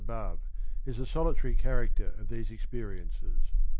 r i • r^ above is the sohtary character of these experiences.